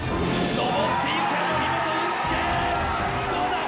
どうだ！